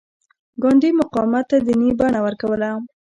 ګاندي مقاومت ته دیني بڼه ورکوله.